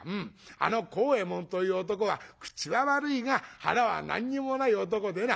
あの幸右衛門という男は口は悪いが腹は何にもない男でな。